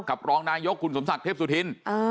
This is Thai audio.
รองนายกคุณสมศักดิ์เทพสุธิน